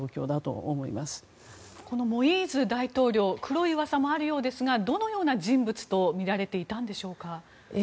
このモイーズ大統領は黒いうわさもあるようですがどのような人物とみられていたんですか。